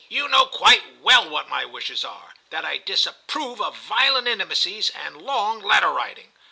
*You know quite well what my wishes are : that I disapprove of violent intimacies and long letter writing.